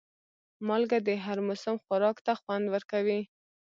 مالګه د هر موسم خوراک ته خوند ورکوي.